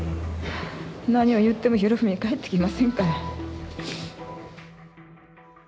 何を言っても裕史は帰ってきませんから。